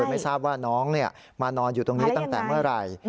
ไม่ทราบว่าน้องมานอนอยู่ตรงนี้ตั้งแต่เมื่อไหร่